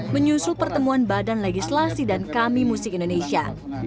menyusul pertemuan badan legislasi dan kami musik indonesia